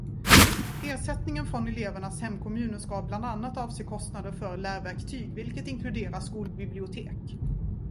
Ersättningen från elevernas hemkommuner ska bland annat avse kostnader för lärverktyg vilket inkluderar skolbibliotek.